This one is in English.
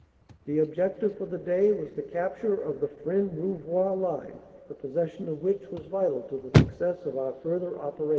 The objective for the day was the cap ture of the Fresnes Rouvroy line, the possession of which was vital to the success of our further operations.